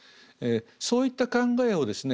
そういった考えをですね